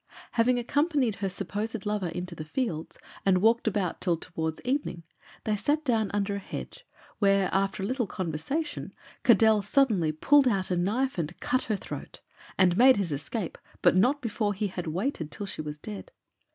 Having accompanied her supposed lover into the fields, and walked about till towards evening, they sat down under a hedge, where, after a little conversation, Caddell suddenly pulled out a knife and cut her throat, and made his escape, but not before he had waited till she was dead.